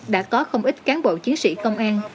đã có không ít cán bộ chiến sĩ công an